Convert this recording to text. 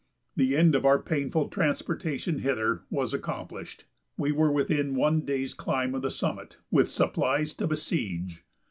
The end of our painful transportation hither was accomplished; we were within one day's climb of the summit with supplies to besiege.